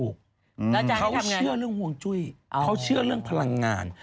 เขาเชื่อเรื่องห่วงจุ้ยเขาเชื่อเรื่องพลังงาน